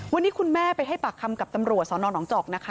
วันนี้คุณแม่ไปให้ปากคำกับตำรวจสอนอนหนองจอกนะคะ